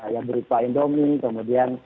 yang berupa indomie kemudian